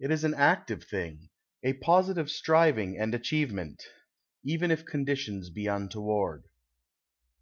It is an active thing a positive striving and achievement, even if conditions be untoward.